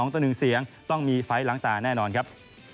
ต่อ๑เสียงต้องมีไฟล์ล้างตาแน่นอนครับ